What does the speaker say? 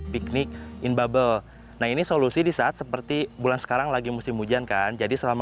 piknik in bubble nah ini solusi di saat seperti bulan sekarang lagi musim hujan kan jadi selama